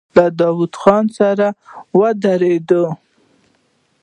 له داوود خان سره ودرېدل.